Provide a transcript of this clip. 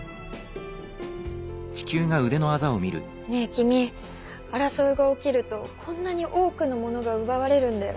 ねえ君争いが起きるとこんなに多くのものが奪われるんだよ。